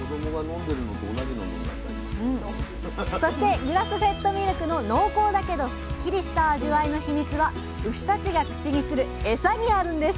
そしてグラスフェッドミルクの濃厚だけどすっきりした味わいのヒミツは牛たちが口にするエサにあるんです